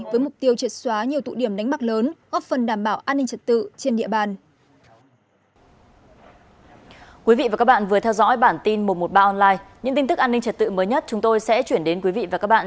với mục tiêu triệt xóa nhiều tụ điểm đánh bạc lớn góp phần đảm bảo an ninh trật tự trên địa bàn